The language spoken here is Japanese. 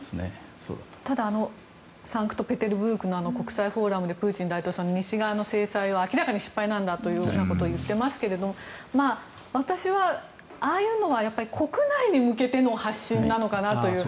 ただサンクトペテルブルクの国際フォーラムでプーチン大統領が西側の制裁は明らかに失敗なんだというようなことを言っていますが私はああいうのは国内に向けての発信なのかなという。